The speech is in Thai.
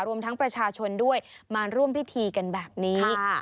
รวมทั้งประชาชนด้วยมาร่วมพิธีกันแบบนี้